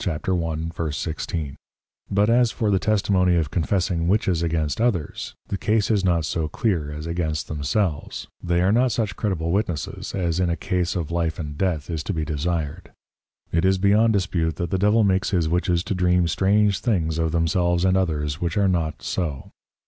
1.16._ But as for the Testimony of Confessing Witches against others, the case is not so clear as against themselves, they are not such credible Witnesses, as in a Case of Life and Death is to be desired: It is beyond dispute, that the Devil makes his Witches to dream strange things of themselves and others which are not so.